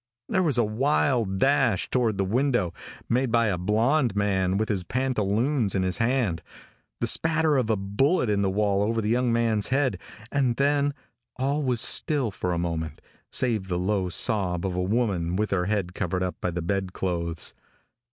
There was a wild dash toward the window, made by a blonde man with his pantaloons in his hand, the spatter of a bullet in the wall over the young man's head and then all was still for a moment save the low sob of a woman with her head covered up by the bed clothes.